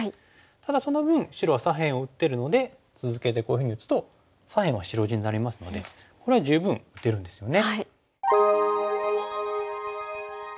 ただその分白は左辺を打ってるので続けてこういうふうに打つと左辺は白地になりますのでこれは十分打てるんですよね。